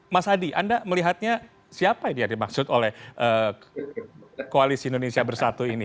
mas hadi anda melihatnya siapa ini yang dimaksud oleh koalisi indonesia bersatu ini